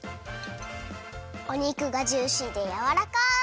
お肉がジューシーでやわらかい！